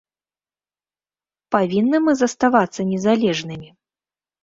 Павінны мы заставацца незалежнымі?